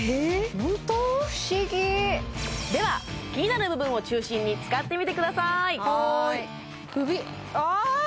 不思議ええ？ホント？では気になる部分を中心に使ってみてくださいはーい首あ！